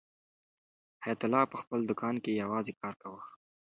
حیات الله په خپل دوکان کې یوازې کار کاوه.